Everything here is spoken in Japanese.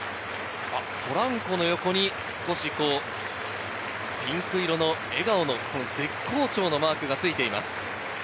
ポランコの横にピンク色の笑顔の絶好調のマークがついています。